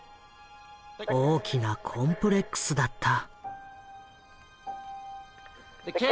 大きなコンプレックスだった。